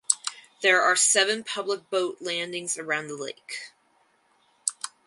There are seven public boat landings around the lake.